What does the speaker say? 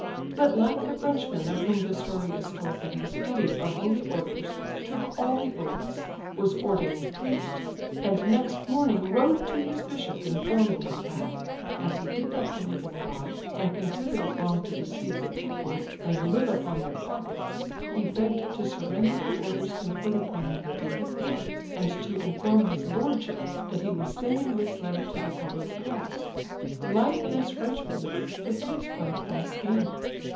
But like the Frenchman of whom the story is told that he studied for holy orders, took all the oaths, was ordained priest, and next morning wrote to his bishop informing him that, as he did not believe in God and considered it wrong to deceive the people and live upon their pockets, he begged to surrender the orders conferred upon him the day before, and to inform his lordship that he was sending this letter to the public press,—like this Frenchman, the prince played a false game.